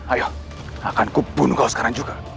ayo akan kubunuh kau sekarang juga